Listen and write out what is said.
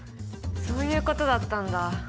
そういうことだったんだ。